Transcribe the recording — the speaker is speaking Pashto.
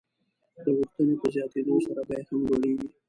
د غوښتنې په زیاتېدو سره بیه هم لوړېږي.